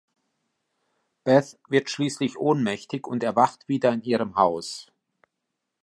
Beth wird schließlich ohnmächtig und erwacht wieder in ihrem Haus.